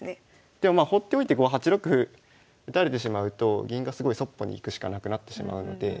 でもまあほっといてこう８六歩打たれてしまうと銀がすごいそっぽに行くしかなくなってしまうので。